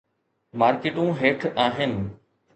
مارڪيٽون هيٺ آهن.